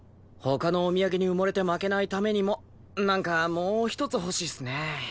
他のお土産に埋もれて負けないためにもなんかもう一つ欲しいっすね。